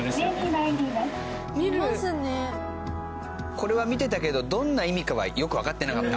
これは見てたけどどんな意味かはよくわかってなかった。